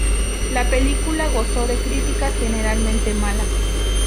La película gozó de críticas generalmente malas.